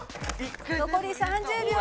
残り３０秒。